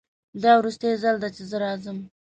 دا وروستی ځل ده چې زه راځم